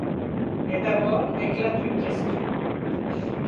Et d'abord éclate une question.